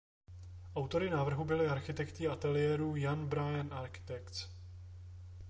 Autory návrhu byli architekti ateliéru Ian Bryan Architects.